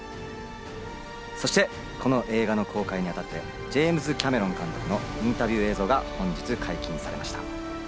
そしてこの映画の公開にあたって、ジェームズ・キャメロン監督のインタビュー映像が本日解禁されました。